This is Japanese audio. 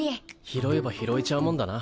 拾えば拾えちゃうもんだな。